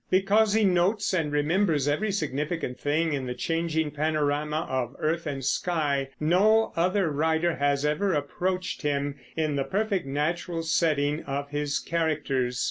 Because he notes and remembers every significant thing in the changing panorama of earth and sky, no other writer has ever approached him in the perfect natural setting of his characters.